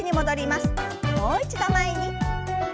もう一度前に。